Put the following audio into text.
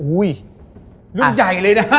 รุ่นใหญ่เลยนะ